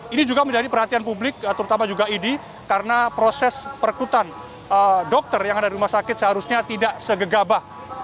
ini juga menjadi perhatian publik terutama juga idi karena proses perkutan dokter yang ada di rumah sakit seharusnya tidak segegabah